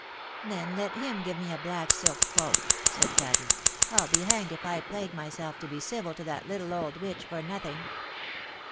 " Then let him give me a black silk cloak," said Patty ;" ril be hanged if I plague myself to be civU to that little old witch for nothing."